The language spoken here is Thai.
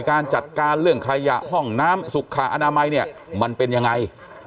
การจัดการเรื่องขยะห้องน้ำสุขอนามัยเนี่ยมันเป็นยังไง